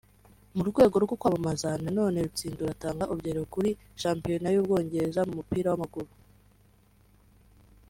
Ku rwego rwo kwamamaza na none Rutsindura atanga urugero kuri Shampiyona y’u Bwongereza mu mupira w’amaguru